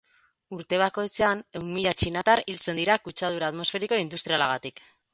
Urte bakoitzean, ehun mila txinatar hiltzen dira kutsadura atmosferiko industrialagatik.